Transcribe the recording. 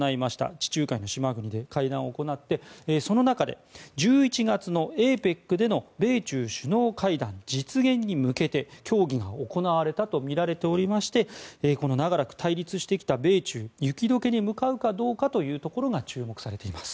地中海の島国で会談を行ってその中で１１月のＡＰＥＣでの米中首脳会談実現に向けて協議が行われたとみられておりまして長らく対立してきた米中が雪解けに向かうかどうかというところが注目されています。